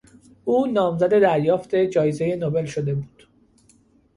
او نامزد دریافت جایزه نوبل شده بود.